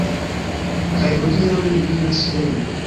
Kaj hodiaŭ mi iras hejme